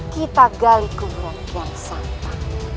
kita gali kuburan kian santa